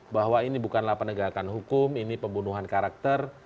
bahwa ini bukanlah penegakan hukum ini pembunuhan karakter